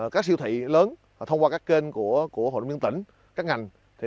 các siêu thị lớn thông qua các kênh của hội đồng nhân tỉnh các ngành